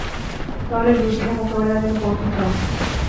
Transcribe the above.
তাহলে যুদ্ধ মোকাবেলার জন্য প্রস্তুত হও।